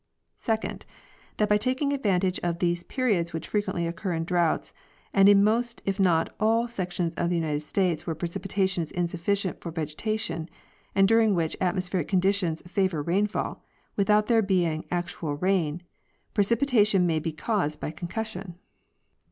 Second. That by taking advantage of those periods which frequently occur in droughts, and in most if not in all sections of the United States where precipitation is insufficient for vegetation, and during which at mospheric conditions favor rainfall, without there being actual rain, pre cipitation may be caused by concussion.